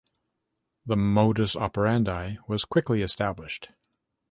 The modus operandi was quickly established.